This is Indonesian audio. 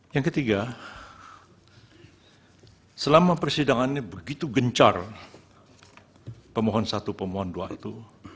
yang ketiga selama persidangan ini begitu gencar pemohon satu pemohon dua itu